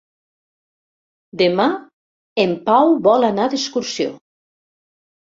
Demà en Pau vol anar d'excursió.